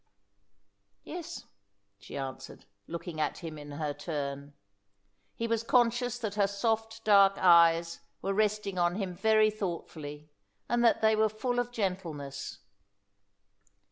"Yes," she answered, looking at him in her turn. He was conscious that her soft, dark eyes were resting on him very thoughtfully, and that they were full of gentleness.